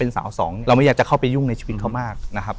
สาวสองเราไม่อยากจะเข้าไปยุ่งในชีวิตเขามากนะครับ